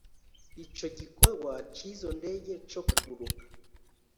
Ico gikorwa c’izo ndege co kuguruka